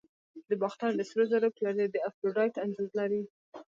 د باختر د سرو زرو پیالې د افروډایټ انځور لري